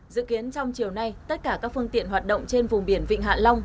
dự kiến trong chiều nay tất cả các phương tiện hoạt động trên vùng biển vịnh hạ long